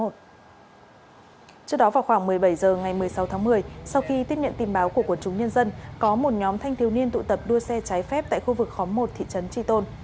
trước đó vào khoảng một mươi bảy h ngày một mươi sáu tháng một mươi sau khi tiếp nhận tin báo của quần chúng nhân dân có một nhóm thanh thiếu niên tụ tập đua xe trái phép tại khu vực khóm một thị trấn tri tôn